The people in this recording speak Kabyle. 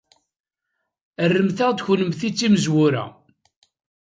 Rremt-aɣ-d kennemti d timezwura.